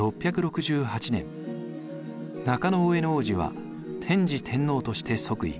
中大兄皇子は天智天皇として即位。